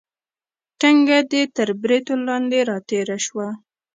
ټنګه دې تر بریتو لاندې راتېره شوه.